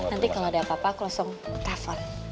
nanti kalau ada apa apa aku langsung telepon